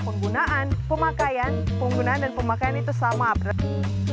penggunaan pemakaian penggunaan dan pemakaian itu sama berarti